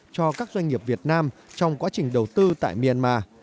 cho các doanh nghiệp việt nam trong quá trình đầu tư tại myanmar